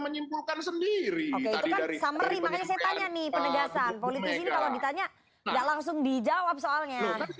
menyimpulkan sendiri dari penyimpulan pak bu mega karena saya tanya nih penegasan politik ini kalau ditanya tidak langsung dijawab soalnya